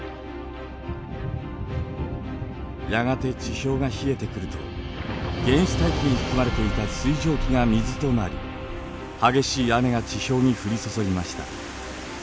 やがて地表が冷えてくると原始大気に含まれていた水蒸気が水となり激しい雨が地表に降り注ぎました。